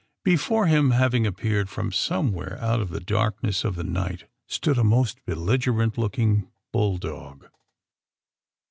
AND THE SMUGGLERS 57 Before him, having appeared from somewhere out of the blackness of the night, stood a most belligerent looking bull dog.